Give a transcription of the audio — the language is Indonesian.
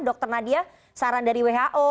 dr nadia saran dari who